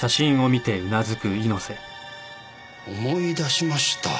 思い出しました。